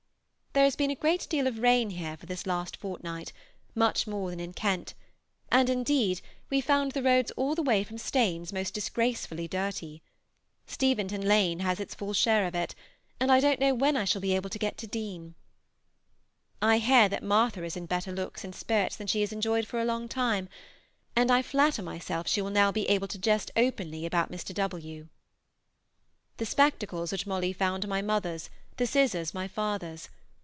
There has been a great deal of rain here for this last fortnight, much more than in Kent, and indeed we found the roads all the way from Staines most disgracefully dirty. Steventon lane has its full share of it, and I don't know when I shall be able to get to Deane. I hear that Martha is in better looks and spirits than she has enjoyed for a long time, and I flatter myself she will now be able to jest openly about Mr. W. The spectacles which Molly found are my mother's, the scissors my father's.